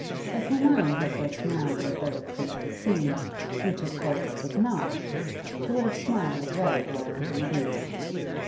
If her mind had just now reverted to Mr. Keene, which of course it did not, she would have smiled very royally indeed.